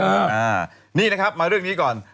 อ่านี่นะครับมาเรื่องนี้ก่อน